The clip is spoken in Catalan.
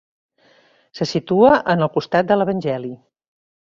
Se situa en el costat de l'evangeli.